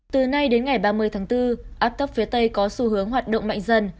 từ nay đến ngày ba mươi tháng bốn áp thấp phía tây có xu hướng hoạt động mạnh dần